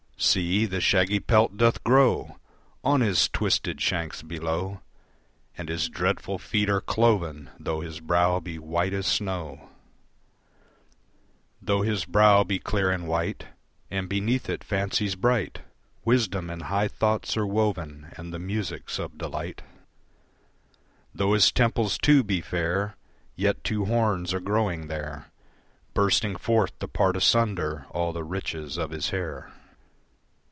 See! the shaggy pelt doth grow On his twisted shanks below, And his dreadful feet are cloven Though his brow be white as snow Though his brow be clear and white And beneath it fancies bright, Wisdom and high thoughts are woven And the musics of delight, Though his temples too be fair Yet two horns are growing there Bursting forth to part asunder All the riches of his hair.